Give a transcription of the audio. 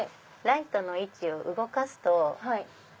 ライトの位置を動かすと。